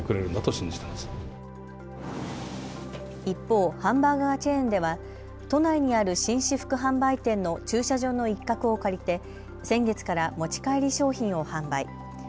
一方、ハンバーガーチェーンでは都内にある紳士服販売店の駐車場の一角を借りて先月から持ち帰り商品を販売。